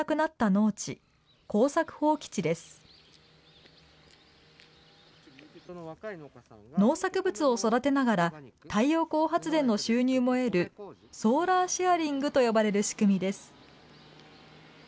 農作物を育てながら太陽光発電の収入も得るソーラーシェアリングと呼ばれる仕組みです。